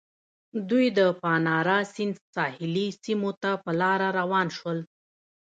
دوی د پانارا سیند ساحلي سیمو ته په لاره روان شول.